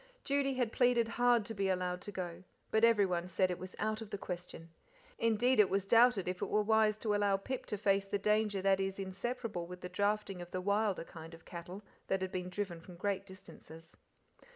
Judy had pleaded hard to be allowed to go, but everyone said it was out of the question indeed, it was doubted if it were wise to allow Pip to face the danger that is inseparable with the drafting of the wilder kind of cattle that had been driven from great distances.